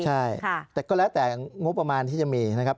ใช่แต่ก็แล้วแต่งบประมาณที่จะมีนะครับ